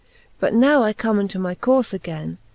But now I come into my courfe againe.